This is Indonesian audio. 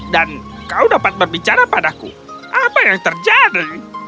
dan kau dapat berbicara padaku apa yang terjadi